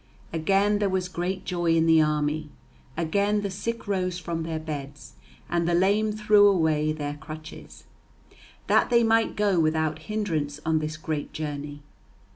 Again there was great joy in the army; again the sick rose from their beds, and the lame threw away there crutches, that they might go without hindrance on this great journey.